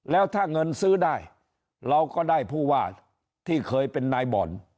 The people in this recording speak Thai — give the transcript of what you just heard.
แล้วถ้าเงินซื้อได้เราก็ได้ผู้ว่าที่เคยเป็นนายบ่อน